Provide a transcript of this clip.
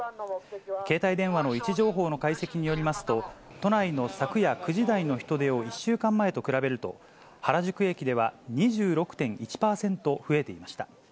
携帯電話の位置情報の解析によりますと、都内の昨夜９時台の人出を１週間前と比べると、原宿駅では２６．１％増えていました。